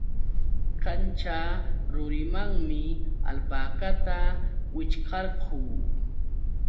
Kanćha rurimanmi alpakata wićhqarqu.